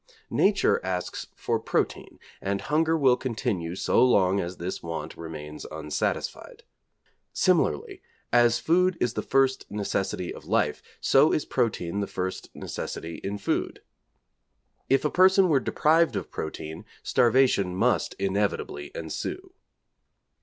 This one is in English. Nature asks for protein, and hunger will continue so long as this want remains unsatisfied. Similarly as food is the first necessity of life, so is protein the first necessity in food. If a person were deprived of protein starvation must inevitably ensue.